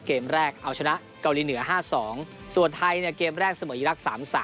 เกมแรกเอาชนะเกาหลีเหนือ๕๒ส่วนไทยเนี่ยเกมแรกเสมออีรักษ์๓๓